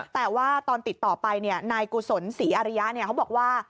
แต่ว่าตอนติดต่อไปนายกุศลศรีอาริยะเขาบอกว่า